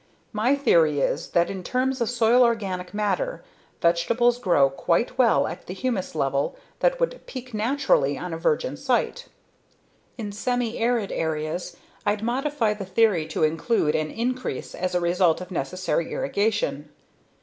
My theory is that in terms of soil organic matter, vegetables grow quite well at the humus level that would peak naturally on a virgin site. In semi arid areas I'd modify the theory to include an increase as a result of necessary irrigation.